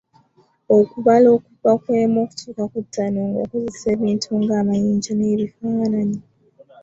Okubala okuva ku emu okutuuka ku ttaano ng’okozesa ebintu nga: amayinja n'ebifaananyi .